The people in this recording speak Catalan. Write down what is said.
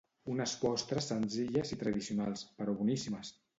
Unes postres senzilles i tradicionals, però boníssimes!